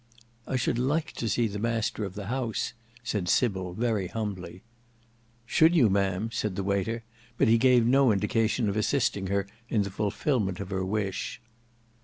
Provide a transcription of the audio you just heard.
"I should like to see the master of the house," said Sybil very humbly. "Should you, Ma'am?" said the waiter, but he gave no indication of assisting her in the fulfilment of her wish.